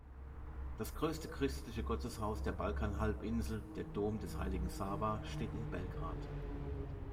Das größte christliche Gotteshaus der Balkanhalbinsel, der Dom des Heiligen Sava, steht in Belgrad.